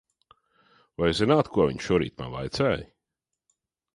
Vai zināt, ko viņa šorīt man vaicāja?